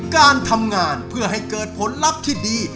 การทำงานเพื่อให้เกิดผลลัพธ์ที่ดี